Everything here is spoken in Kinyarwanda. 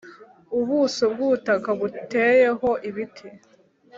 Ubuso bw ubutaka buteyeho ibiti